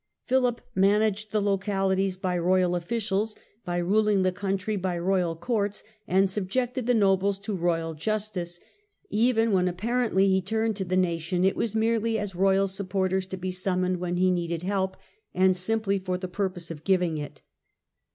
Philip managed the localities by royal officials, he ruled the country by royal courts and subjected the nobles to royal justice ; even when apparently he turned to the nation, it was merely as royal supporters, to be summoned when he needed help and simply for the pur pose of giving it.